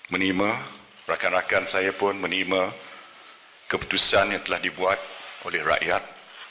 saya menerima rakan rakan saya pun menerima keputusan yang telah dibuat oleh rakyat